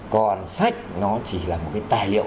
còn sách nó chỉ là một cái tài liệu